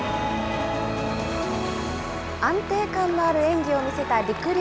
安定感のある演技を見せたりくりゅ